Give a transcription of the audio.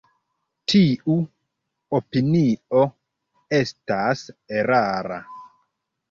Tiu opinio estas erara.